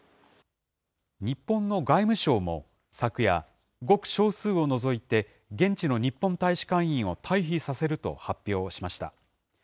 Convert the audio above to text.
日本の外務省も昨夜、ごく少数を除いて現地の日本大使館員を退避させると発表しました。